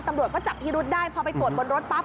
ตำรวจก็จับพิรุษได้พอไปตรวจบนรถปั๊บ